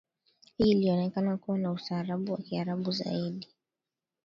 hii ilionekana kuwa na ustaarabu wa Kiarabu zaidi